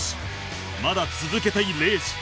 まだ続けたい礼二